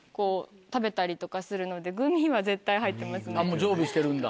もう常備してるんだ。